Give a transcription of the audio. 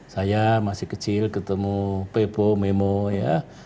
saya masih kecil ketemu pepo memo ya